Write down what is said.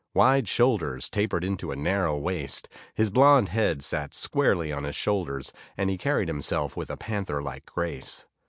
Wide shoulders tapered into a narrow waist, his blond head sat squarely on his shoulders, and he carried himself with a panther like grace.